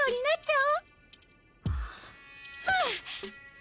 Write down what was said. うん！